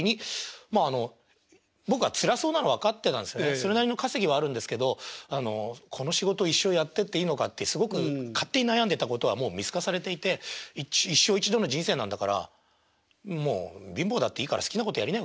それなりの稼ぎはあるんですけどこの仕事一生やってっていいのかってすごく勝手に悩んでたことはもう見透かされていて一生一度の人生なんだからもう貧乏だっていいから好きなことやりなよ